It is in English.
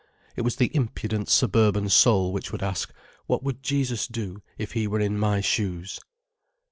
It was the impudent suburban soul which would ask, "What would Jesus do, if he were in my shoes?"